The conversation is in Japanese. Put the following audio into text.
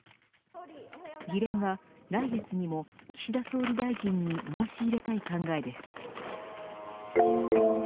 議連は、来月にも岸田総理大臣に申し入れたい考えです。